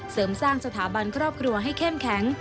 เสริมสร้างสถาบันครอบครัวให้เข้มแข็ง